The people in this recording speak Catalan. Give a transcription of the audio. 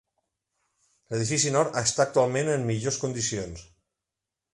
L'edifici nord està actualment en millors condicions.